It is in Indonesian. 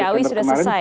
siawi sudah selesai